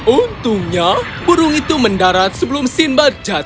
untungnya burung itu mendarat sebelum sinbad jatuh